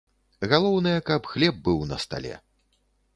Галоўнае, каб хлеб быў на стале.